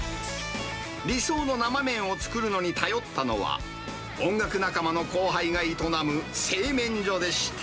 理想の生麺を作るのに頼ったのは、音楽仲間の後輩が営む製麺所でした。